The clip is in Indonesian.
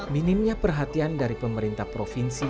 minimnya perhatian dari pemerintah provinsi